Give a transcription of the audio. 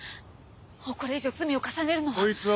もうこれ以上罪を重ねるのは。